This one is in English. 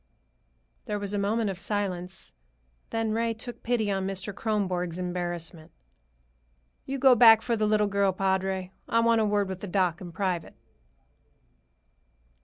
There was a moment of silence. Then Ray took pity on Mr. Kronborg's embarrassment. "You go back for the little girl, padre. I want a word with the doc in private."